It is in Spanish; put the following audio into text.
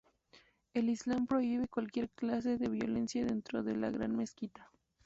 El islam prohíbe cualquier clase de violencia dentro de la Gran Mezquita.